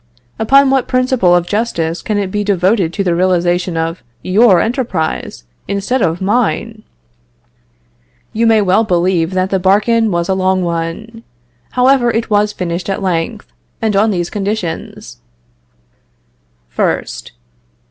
Upon what principle of justice can it be devoted to the realization of your enterprise instead of mine?" You may well believe that the bargain was a long one. However, it was finished at length, and on these conditions: First.